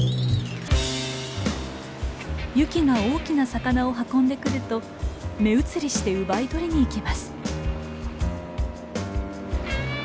ユキが大きな魚を運んでくると目移りして奪い取りにいきます。